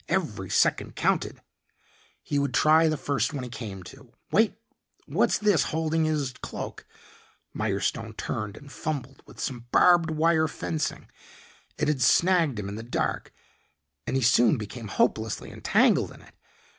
Every second counted; he would try the first one he came to. Wait what's this holding his cloak? Mirestone turned and fumbled with some barbed wire fencing. It had snagged him in the dark, and he soon became hopelessly entangled in it.